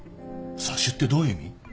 サ終ってどういう意味？